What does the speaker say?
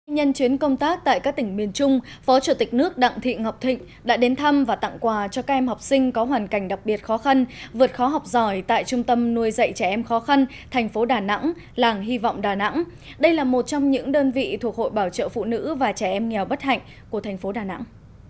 nhân chuyến công tác tại các tỉnh miền trung phó chủ tịch nước đặng thị ngọc thịnh đã đến thăm và tặng quà cho các em học sinh có hoàn cảnh đặc biệt khó khăn vượt khó học giỏi tại trung tâm nuôi dạy trẻ em khó khăn thành phố đà nẵng làng hy vọng đà nẵng đây là một trong những đơn vị thuộc hội bảo trợ phụ nữ và trẻ em nghèo bất hạnh của thành phố đà nẵng